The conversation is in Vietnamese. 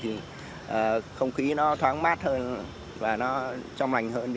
thì không khí nó thoáng mát hơn và nó trong lành hơn